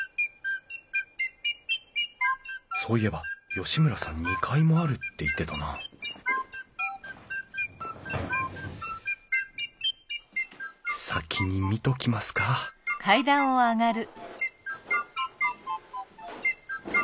そういえば吉村さん２階もあるって言ってたな先に見ときますかあれ？